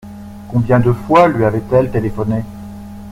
Combien de fois lui avaient-elles téléphoné ?